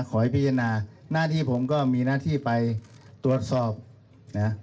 ขอให้พิจารณาหน้าที่ผมก็มีหน้าที่ไปตรวจสอบนะ